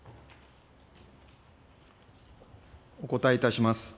お答えいたします。